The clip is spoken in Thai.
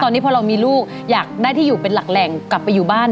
ตอนนี้พอเรามีลูกอยากได้ที่อยู่เป็นหลักแหล่งกลับไปอยู่บ้าน